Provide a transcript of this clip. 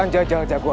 sudah habis tenaga